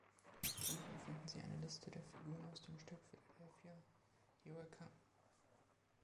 Unten finden Sie eine Liste der Figuren aus dem Stück Philadelphia, Here I Come!